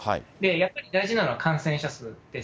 やっぱり大事なのは感染者数です。